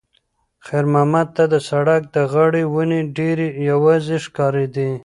خیر محمد ته د سړک د غاړې ونې ډېرې یوازې ښکارېدې.